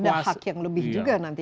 jadi ada hak yang lebih juga nanti